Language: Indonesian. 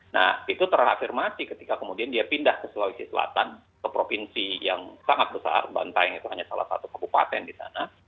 nah itu terafirmasi ketika kemudian dia pindah ke sulawesi selatan ke provinsi yang sangat besar bantaing itu hanya salah satu kabupaten di sana